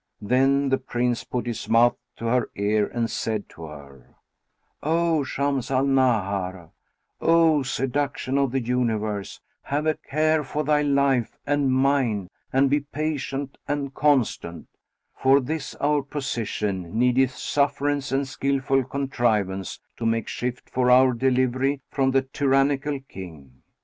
Then the Prince put his mouth to her ear and said to her, "O Shams al Nahar, O seduction of the universe, have a care for thy life and mine and be patient and constant; for this our position needeth sufferance and skilful contrivance to make shift for our delivery from the tyrannical King.